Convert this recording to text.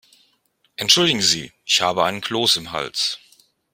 Entschuldigen Sie, ich habe einen Kloß im Hals.